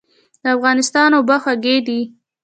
د افغانستان اوبه خوږې دي